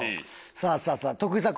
さあさあさあ徳井さん